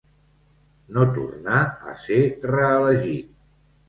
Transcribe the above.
No tornà a ser reelegit.